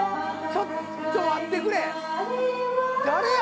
ちょっと待ってくれ誰や？